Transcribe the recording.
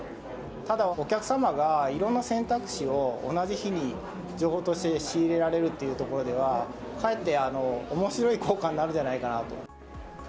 ただ、お客様がいろんな選択肢を同じ日に情報として仕入れられるというところでは、かえっておもしろい効果になるんじゃないかなと。